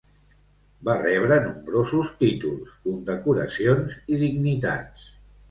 Va rebre nombrosos títols, condecoracions i dignitats.